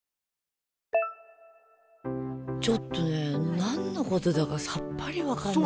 ちょっとね何のことだかさっぱり分からないんですよ。